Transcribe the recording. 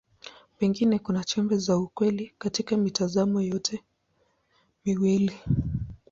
Pengine kuna chembe za ukweli katika mitazamo yote miwili.